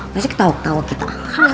biasanya ketawa ketawa kita